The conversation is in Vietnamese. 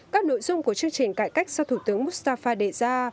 các nội dung của chương trình cải cách do thủ tướng mustafa đề ra